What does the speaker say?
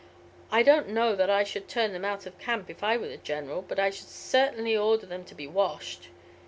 I don't know that I should turn them out of the camp if I were the General, but I should certainly order them to be washed.